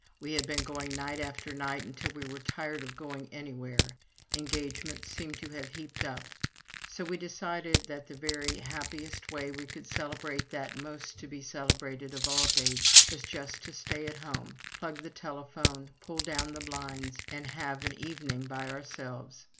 We had been going night after night until we were tired of going anywhere, engagements seemed to have heaped up, so we decided that the very happiest way we could celebrate that most to be celebrated of all dates was just to stay at home, plug the telephone, pull down the blinds, and have an evening by ourselves.